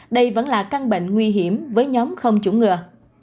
đây vẫn là căn bệnh nguy hiểm với nhóm không chủng ngừa